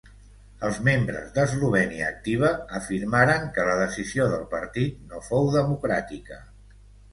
Els membres d'Eslovènia Activa afirmaren que la decisió del partit no fou democràtica.